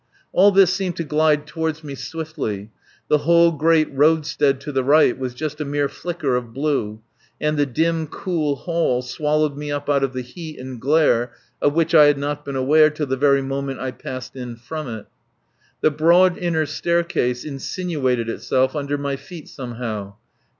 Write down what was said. All this seemed to glide toward me swiftly. The whole great roadstead to the right was just a mere flicker of blue, and the dim cool hall swallowed me up out of the heat and glare of which I had not been aware till the very moment I passed in from it. The broad inner staircase insinuated itself under my feet somehow.